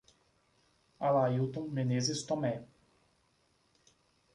Alailton Menezes Tome